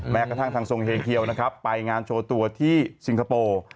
แม้กระทั่งทางทรงเฮเคียวนะครับไปงานโชว์ตัวที่สิงคโปร์